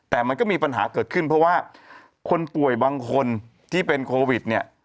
แต่มันก็มีปัญหาเกิดขึ้นเพราะว่าคนป่วยบางคนที่เป็นโควิดเนี่ย